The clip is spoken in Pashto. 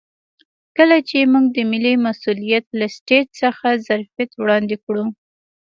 کله چې موږ د ملي مسوولیت له سټیج څخه ظرفیت وړاندې کړو.